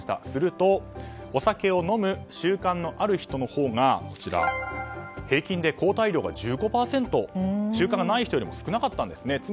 するとお酒を飲む習慣のある人のほうが平均で抗体量が１５％習慣がない人より少なかったんですね。